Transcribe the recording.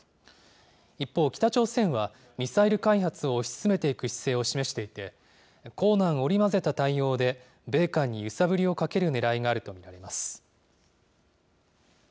一方、北朝鮮はミサイル開発を推し進めていく姿勢を示していて、硬軟織り交ぜた対応で、米韓に揺さぶりをかけるねらいがあると見られます。